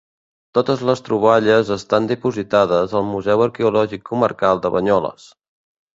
Totes les troballes estan dipositades al Museu Arqueològic Comarcal de Banyoles.